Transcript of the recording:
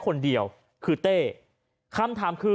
ก็ได้พลังเท่าไหร่ครับ